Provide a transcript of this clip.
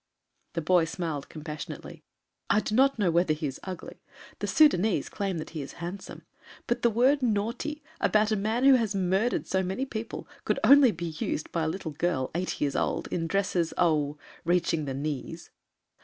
The boy smiled compassionately. "I do not know whether he is ugly. The Sudânese claim that he is handsome. But the word 'naughty' about a man who has murdered so many people, could be used only by a little girl, eight years old, in dresses oh reaching the knees."